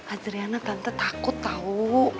adriana tante takut tau